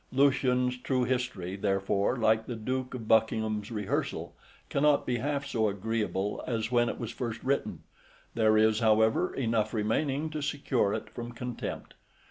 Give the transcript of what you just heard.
Lucian's True History, therefore, like the Duke of Buckingham's Rehearsal, cannot be half so agreeable as when it was first written; there is, however, enough remaining to secure it from contempt.